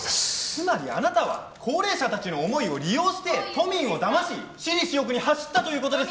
つまりあなたは高齢者たちの思いを利用して都民をだまし私利私欲に走ったという事ですか？